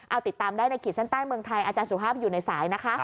เอาติดตามได้ในขีดเส้นใต้เมืองไทยอาจารย์สุภาพอยู่ในสายนะคะ